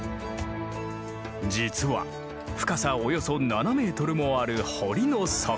実は深さおよそ７メートルもある堀の底。